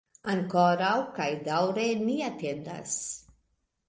Ankoraŭ kaj daŭre ni atendas.